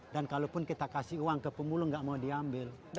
dan kalaupun kita kasih uang ke pemulung tidak mau diambil